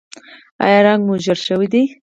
ایا رنګ مو ژیړ شوی دی؟